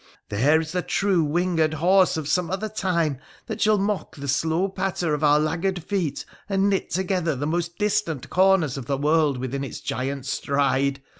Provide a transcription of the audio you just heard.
There is the true winged horse of some other time that shall mock the slow patter of our laggard feet, and knit together the most distant corners of the world within its giant stride.